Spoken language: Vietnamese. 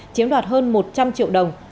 chiếm đoạt hơn một trăm linh triệu đồng